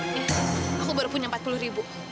aku baru punya empat puluh ribu